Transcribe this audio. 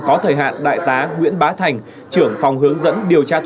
có thời hạn đại tá nguyễn bá thành trưởng phòng hướng dẫn điều tra tội